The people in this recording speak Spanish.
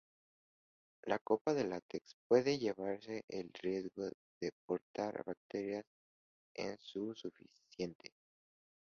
Las copas de látex pueden conllevar el riesgo de portar bacterias en su superficie.